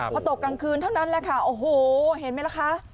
พอตกกลางคืนเท่านั้นแหละค่ะโอ้โหเห็นไหมล่ะคะ